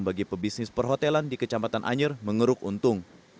bagi pebisnis perhotelan di kecamatan anyer mengeruk untung